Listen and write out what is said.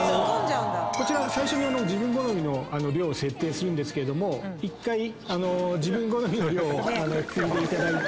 こちら最初に自分好みの量を設定するんですけども１回自分好みの量をついでいただいて。